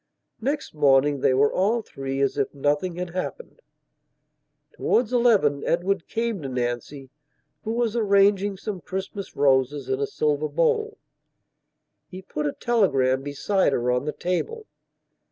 Next morning they were all three as if nothing had happened. Towards eleven Edward came to Nancy, who was arranging some Christmas roses in a silver bowl. He put a telegram beside her on the table.